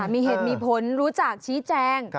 มีเหตุมีผลรู้จักชี้แจง